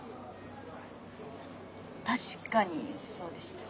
確かにそうでした。